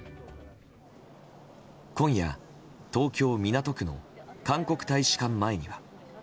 今夜、東京・港区の韓国大使館前には。